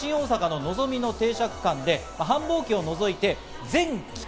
東京から新大阪の「のぞみ」の停車区間で、繁忙期を除いて全期間